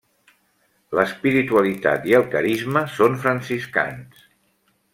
L'espiritualitat i el carisma són franciscans.